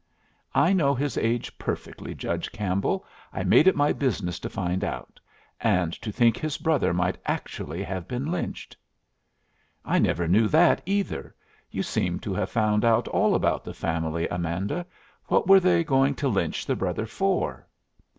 "I know his age perfectly, Judge Campbell. I made it my business to find out. And to think his brother might actually have been lynched!" "I never knew that either. You seem to have found out all about the family, Amanda. What were they going to lynch the brother for?"